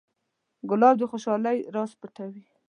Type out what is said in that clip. ګلاب د خوشحالۍ راز پټوي.